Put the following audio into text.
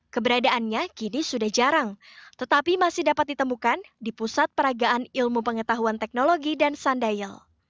keberadaannya kini sudah jarang tetapi masih dapat ditemukan di pusat peragaan ilmu pengetahuan teknologi dan sundial